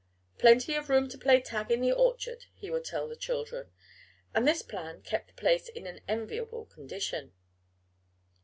"Plenty of room to play tag in the orchard," he would tell the children, and this plan kept the place in an enviable condition.